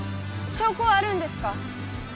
証拠はあるんですか？